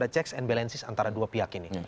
itu ada checks and balances antara dua pihak ini